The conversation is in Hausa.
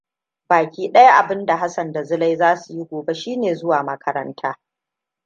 Baki daya abinda Hassan da Zulai za su yi gobe shine zuwa makaranta.